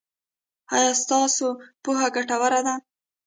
ایا ستاسو پوهه ګټوره ده؟